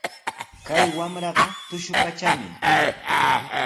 Kay wamraqa tushupatrami.